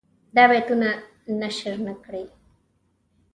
دا بیتونه نشر نه کړي.